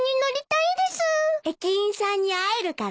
駅員さんに会えるから？